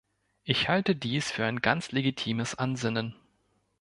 Ich halte dies für ein ganz legitimes Ansinnen.